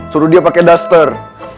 suruh dia pakai duster